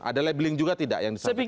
ada labeling juga tidak yang disampaikan